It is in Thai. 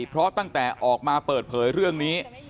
เพราะตั้งแต่ออกมาเปิดเผยเรื่องนี้